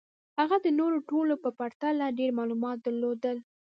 هغه د نورو ټولو په پرتله ډېر معلومات درلودل